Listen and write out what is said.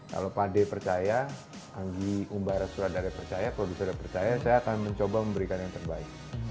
kalau pak de percaya anggi umbara suradaya percaya produser yang percaya saya akan mencoba memberikan yang terbaik